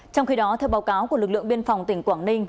trong khi đó theo báo cáo của lực lượng biên phòng tỉnh quảng ninh